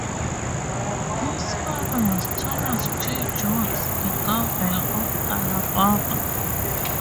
His father was Thomas G. Jones, the Governor of Alabama.